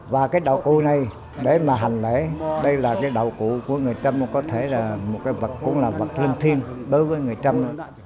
và cái đạo cụ này để mà hành lễ đây là cái đạo cụ của người trâm có thể là một vật cũng là vật linh thiên đối với người trâm